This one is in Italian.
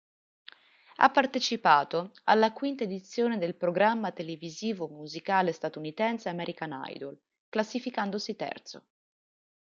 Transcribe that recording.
Ha partecipato alla quinta edizione del programma televisivo musicale statunitense "American Idol", classificandosi terzo.